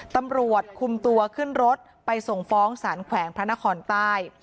ตำรวจคุมตัวขึ้นรถไปส่งฟ้องสารแขวงพระนครใต้